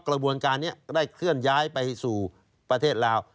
กระบวนการนี้ได้เคลื่อนย้ายไปสู่ประเทศลาว